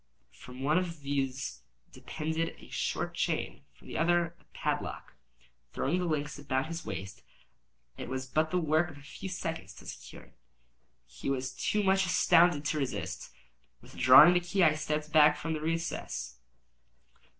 From one of these depended a short chain, from the other a padlock. Throwing the links about his waist, it was but the work of a few seconds to secure it. He was too much astounded to resist. Withdrawing the key I stepped back from the recess.